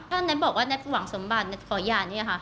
ถ้าแน็ตบอกว่าแน็ตหวังสมบัติแน็ตขอหย่านี่อ่ะค่ะ